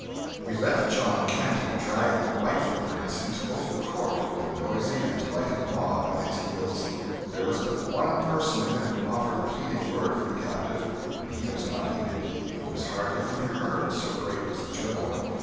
We left John Canty dragging the rightful prince into Offal Court, with a noisy and delighted mob at his heels. There was but one person in it who offered a pleading word for the captive, and he was not heeded; he was hardly even heard, so great was the turmoil.